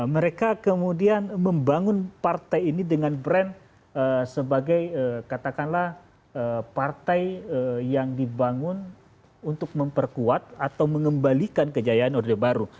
mereka kemudian membangun partai ini dengan brand sebagai katakanlah partai yang dibangun untuk memperkuat atau mengembalikan kejayaan orde baru